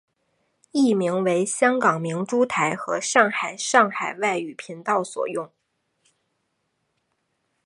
译名为香港明珠台和上海上海外语频道所用。